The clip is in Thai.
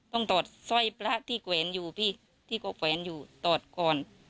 ต้องตอดสไตรประที่แกวนอยู่พี่ที่ก็แกวนอยู่ตอดก่อน